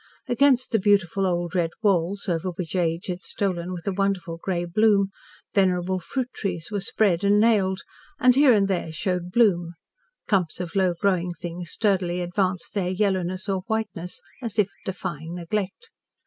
Against the beautiful old red walls, over which age had stolen with a wonderful grey bloom, venerable fruit trees were spread and nailed, and here and there showed bloom, clumps of low growing things sturdily advanced their yellowness or whiteness, as if defying neglect.